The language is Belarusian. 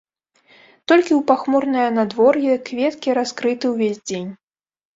Толькі ў пахмурнае надвор'е кветкі раскрыты ўвесь дзень.